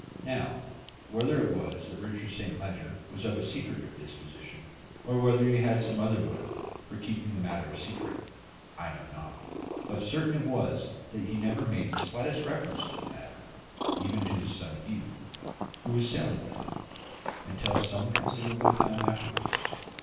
"Now, whether it was that Richard Saint Leger was of a secretive disposition, or whether he had some other motive for keeping the matter a secret, I know not; but certain it is that he never made the slightest reference to the matter even to his son Hugh, who was sailing with him until some considerable time afterwards.